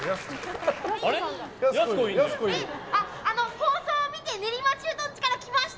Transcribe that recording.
放送を見て練馬駐屯地から来ました！